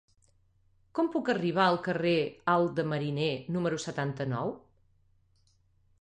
Com puc arribar al carrer Alt de Mariner número setanta-nou?